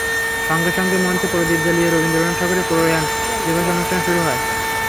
সঙ্গে সঙ্গে মঞ্চে প্রদীপ জ্বালিয়ে রবীন্দ্রনাথ ঠাকুরের প্রয়াণ দিবসের অনুষ্ঠান শুরু হয়।